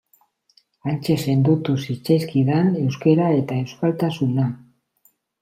Hantxe sendotu zitzaizkidan euskara eta euskaltasuna.